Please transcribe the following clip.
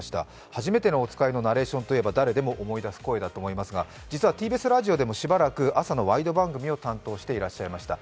「はじめてのおつかい」のナレーションといえば誰でも思い出す声だと思いますが実はＴＢＳラジオでもしばらく朝のワイド番組を担当してらっしゃいました。